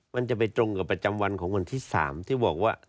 มันจะไปตรงกับประจำวันของวันที่๓ที่บอกว่า